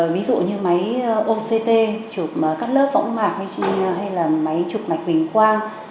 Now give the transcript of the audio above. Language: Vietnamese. ví dụ như máy oct chụp các lớp võng mạc hay là máy chụp mạch hình quang